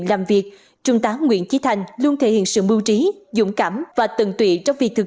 làm việc trung tá nguyễn trí thành luôn thể hiện sự mưu trí dũng cảm và tần tùy trong việc thực